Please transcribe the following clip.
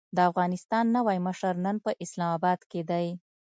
د افغانستان نوی مشر نن په اسلام اباد کې دی.